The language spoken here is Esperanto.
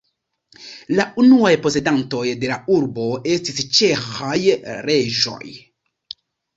La unuaj posedantoj de la urbo estis ĉeĥaj reĝoj.